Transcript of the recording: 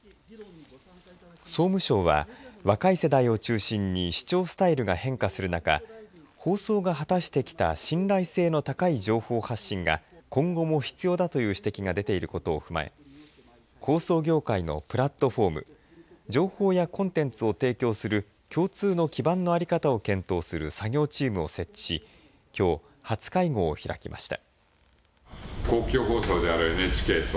総務省は若い世代を中心に視聴スタイルが変化する中放送が果たしてきた信頼性の高い情報発信が今後も必要だという指摘が出ていることを踏まえ放送業界のプラットフォーム情報やコンテンツを提供する共通の基盤の在り方を検討する作業チームを設置しきょう、初会合を開きました。